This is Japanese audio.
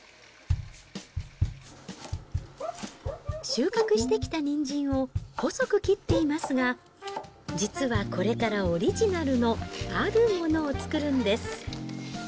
収穫してきたニンジンを、細く切っていますが、実はこれからオリジナルのあるものを作るんです。